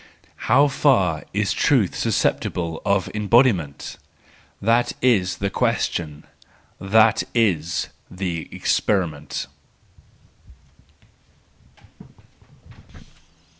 How far is truth susceptible of embodiment?—that is the question, that is the experiment.